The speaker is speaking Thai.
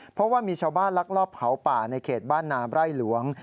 เพราะว่ามีชาวบ้านลักลอบเผาป่าในเขตบ้านนาไร่หลวง